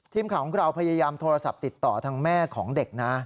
ทีมข่าวของเราพยายามโทรศัพท์ติดต่อทางแม่ของเด็กนะ